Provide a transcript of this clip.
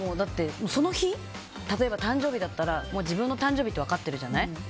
その日、例えば誕生日だったら自分の誕生日って分かってるじゃない。